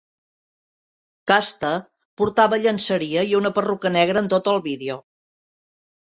Casta portava llenceria i una perruca negra en tot el vídeo.